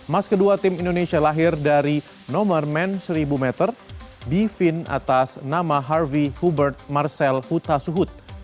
mas kedua tim indonesia lahir dari nomor men seribu meter di fin atas nama harvey hubert marcel huta suhud